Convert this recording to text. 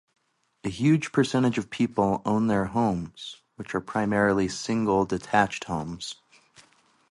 A huge percentage of people own their homes, which are primarily single detached homes.